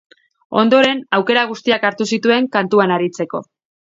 Ondoren, aukera guztiak hartu zituen kantuan aritzeko.